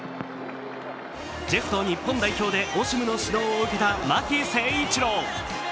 ジェフと日本代表でオシムの指導を受けた巻誠一郎。